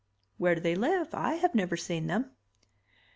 "Where do they live? I have never seen them."